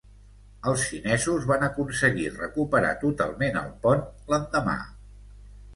Els xinesos van aconseguir recuperar totalment el pont l'endemà.